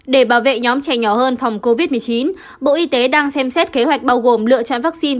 để bảo vệ nhóm trẻ nhỏ hơn phòng covid một mươi chín bộ y tế đang xem xét kế hoạch bao gồm lựa chọn vaccine